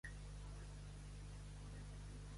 Qui no sap l'abecé no sap res.